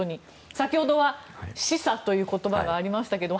先ほどは示唆という言葉がありましたけども。